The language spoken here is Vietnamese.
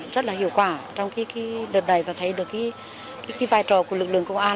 rất là hiệu quả trong đợt này và thấy được vai trò của lực lượng công an